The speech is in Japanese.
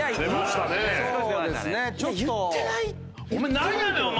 何やねんお前！